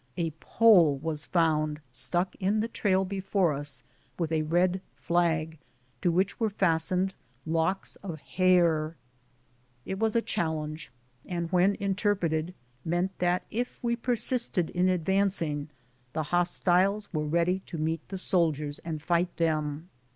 A pole was found stuck in the trail before us, with a red flag, to which were fastened locks of hair. It was a chal lenge, and when interpreted meant, that if we persisted in advancing, the hostiles were ready to meet the sol diers and fight them.